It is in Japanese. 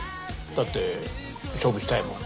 だって勝負したいもん。